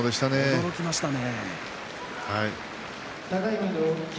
驚きましたね。